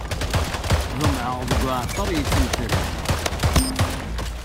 Ḍemεeɣ deg uεeṭṭar yettmetran.